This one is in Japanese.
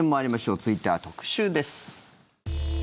続いては特集です。